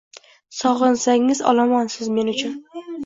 Sog‘insangiz olomonsiz men uchun.